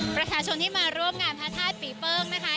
ประชาชนที่มาร่วมงานพระธาตุปีเปิ้งนะคะ